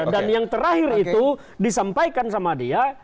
dan yang terakhir itu disampaikan sama dia